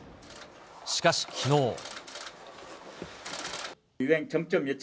しかしきのう。